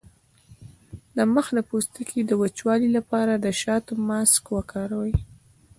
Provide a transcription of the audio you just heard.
د مخ د پوستکي د وچوالي لپاره د شاتو ماسک وکاروئ